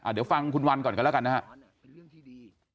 เดี๋ยวฟังคุณวันก่อนกันแล้วกันนะครับ